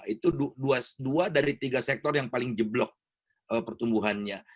itu dua dari tiga sektor yang paling jeblok pertumbuhannya